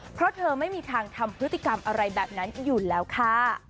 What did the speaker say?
เพราะเธอไม่มีทางทำพฤติกรรมอะไรแบบนั้นอยู่แล้วค่ะ